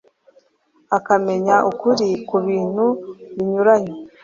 akamenya ukuri ku bintu binyuranye,